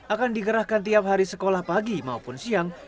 akan dikerahkan tiap hari sekolah pagi maupun siang